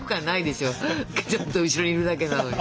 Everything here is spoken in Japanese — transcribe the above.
ちょっと後ろにいるだけなのに。